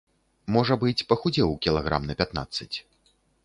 Можа быць, пахудзеў кілаграм на пятнаццаць.